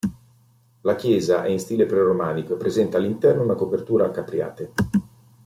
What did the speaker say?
La chiesa è in stile pre-romanico e presenta all'interno una copertura a capriate.